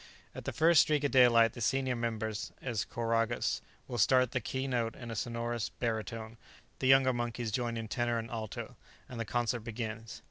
At the first streak of daylight the senior member, as choragus, will start the key note in a sonorous barytone, the younger monkeys join in tenor and alto, and the concert begins.